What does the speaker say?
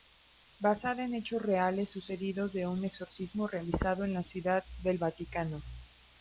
Basada en hechos reales sucedidos de un exorcismo realizado en la ciudad del vaticano.